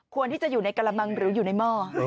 ที่จะอยู่ในกระมังหรืออยู่ในหม้อ